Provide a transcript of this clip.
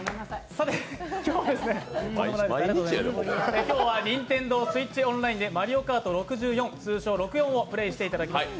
さて今日はＮｉｎｔｅｎｄｏＳｗｉｔｃｈＯｎｌｉｎｅで「マリオカート６４」、通称「６４」をプレーしていただきます。